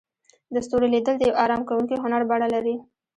د ستورو لیدل د یو آرام کوونکي هنر بڼه لري.